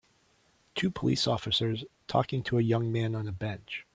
Two police officers talking to young man on a bench.